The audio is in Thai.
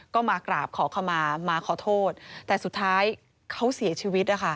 ก็มากราบขอขมามาขอโทษแต่สุดท้ายเขาเสียชีวิตนะคะ